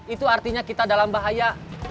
itu artinya kita dalam bahaya